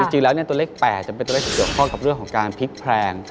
จริงแล้วตัวเลข๘จะเป็นตัวเลขที่เกี่ยวข้องกับเรื่องของการพลิกแพลง